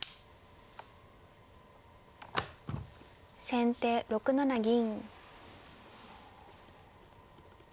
先手６七銀。